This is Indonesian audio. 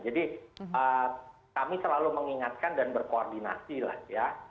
jadi kami selalu mengingatkan dan berpengalaman